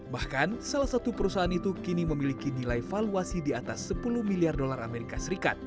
bahkan salah satu perusahaan itu kini memiliki nilai valuasi di atas sepuluh miliar dolar as